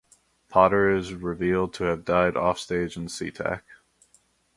Potter is revealed to have died offstage in Seatac.